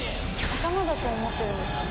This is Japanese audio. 仲間だと思ってるんですかね。